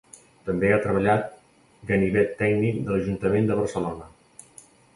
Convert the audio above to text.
També ha treballat Gabinet Tècnic de l'Ajuntament de Barcelona.